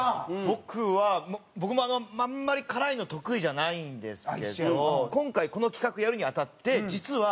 僕は僕もあのあんまり辛いの得意じゃないんですけど今回この企画やるにあたって実は。